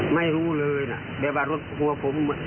ไม่รู้เลยนะแบบว่ารถหัวผม